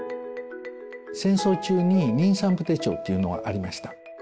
戦争中に妊産婦手帳っていうのがありました。